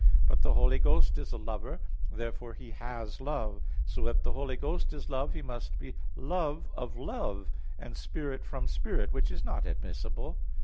But the Holy Ghost is a lover: therefore He has love. So if the Holy Ghost is Love, He must be love of love, and spirit from spirit; which is not admissible.